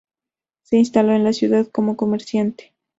Se instaló en la ciudad como comerciante.